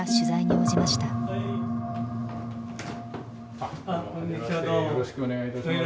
初めましてよろしくお願いいたします。